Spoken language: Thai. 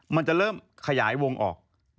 มันจะเริ่มขยายวงออก